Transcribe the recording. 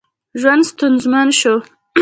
ژوند ستونزمن شو.